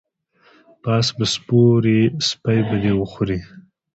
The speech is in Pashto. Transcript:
په اس به سپور یی سپی به دی وخوري